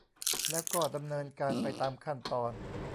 แล้วก็ดำเนินการไปตามขั้นตอน